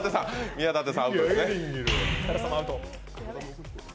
宮舘さん、アウトですね。